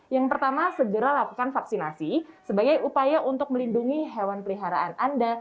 yang pertama segera lakukan vaksinasi sebagai upaya untuk melindungi hewan peliharaan anda